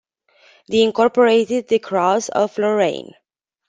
The incorporated the Cross of Lorraine.